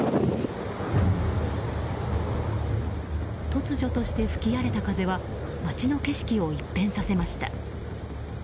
突如として吹き荒れた風は街の景色を一変させました。